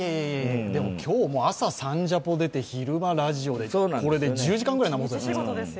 今日、朝「サンジャポ」出て、昼間ラジオでこれで１０時間ぐらい生放送してますよ。